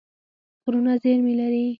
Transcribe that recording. غرونه زېرمې لري.